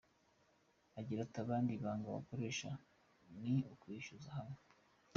Agira ati “Abandi ibanga bakoresha ni ukwishyira hamwe.